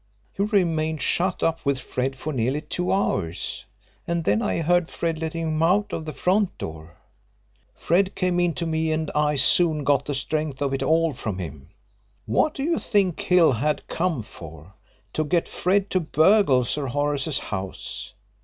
"He remained shut up with Fred for nearly two hours and then I heard Fred letting him out of the front door. Fred came in to me, and I soon got the strength of it all from him. What do you think Hill had come for? To get Fred to burgle Sir Horace's house!